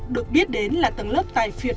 được biết đến là tầng lớp tài phiệt